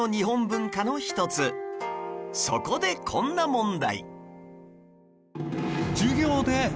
そこでこんな問題